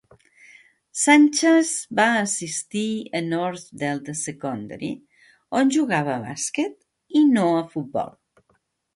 Sanchez va assistir a North Delta Secondary, on jugava a bàsquet i no a futbol.